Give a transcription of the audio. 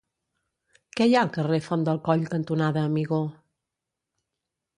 Què hi ha al carrer Font del Coll cantonada Amigó?